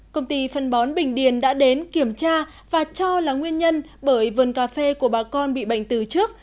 công ty phân bón bình điền đã đến kiểm tra và cho là nguyên nhân bởi vườn cà phê của bà con bị bệnh từ trước